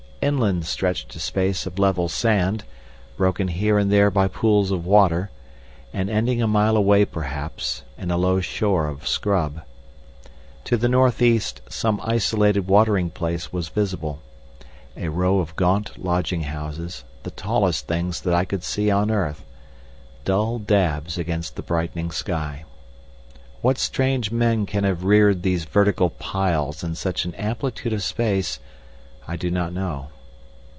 Inland stretched a space of level sand, broken here and there by pools of water, and ending a mile away perhaps in a low shore of scrub. To the north east some isolated watering place was visible, a row of gaunt lodging houses, the tallest things that I could see on earth, dull dabs against the brightening sky. What strange men can have reared these vertical piles in such an amplitude of space I do not know.